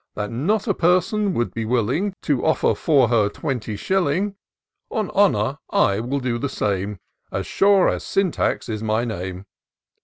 That not a person would be willing To offer for her twenty shilling. On honour I will do the same, As sure as Syntax is my name.